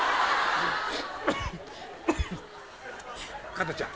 ・・加トちゃん。